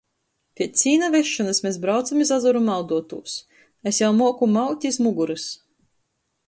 Piec sīna vesšonys mes braucam iz azaru mauduotūs. Es jau muoku maut iz mugorys.